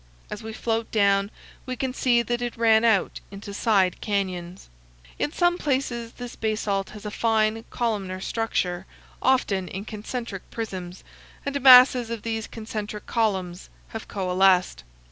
As we float down we can see that it ran out into side canyons. In some places this basalt has a fine, columnar structure, often in concentric prisms, and masses of these concentric columns have coalesced.